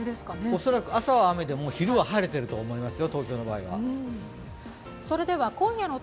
恐らく、朝は雨でも昼は晴れてると思いますよ。